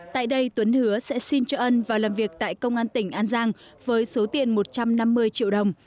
tại đây tuấn hứa sẽ xin cho ân vào làm việc tại công an tỉnh an giang với số tiền một trăm năm mươi triệu đồng